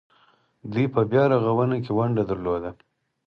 دوی په بیارغونه کې ونډه درلوده.